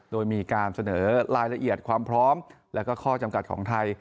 โดยมีการเสนอรายละเอียดความพร้อมและก็ข้อจำกัดของไทย